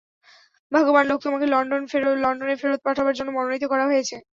ভাগ্যবান লোক, তোমাকে লন্ডনে ফেরত পাঠাবার জন্য মনোনীত করা হয়েছে।